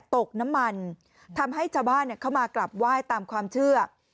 ตกน้ำมันทำให้ชาวบ้านเข้ามากลับไหว้ตามความเชื่อ